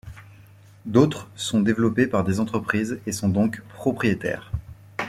D'autres sont développés par des entreprises et sont donc propriétaires.